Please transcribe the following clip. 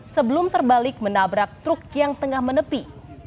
sebelum terbalik menabrak truk yang tengah menepi